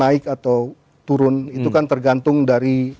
naik atau turun itu kan tergantung dari